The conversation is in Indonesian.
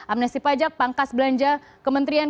amnesti pajak pangkas belanja kementerian